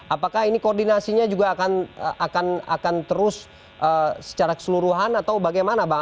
apakah ini koordinasinya juga akan terus secara keseluruhan atau bagaimana bang